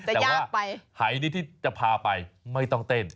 แต่ว่าหายนี้ที่จะพาไปไม่ต้องเต้น